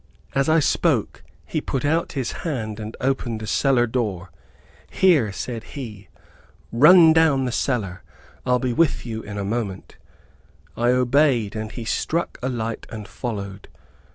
As I spoke he put out his hand and opened the cellar door. "Here," said he, "run down cellar, I'll be with you in a moment." I obeyed, and he struck a light and followed.